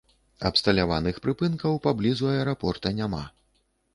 Абсталяваных прыпынкаў паблізу аэрапорта няма.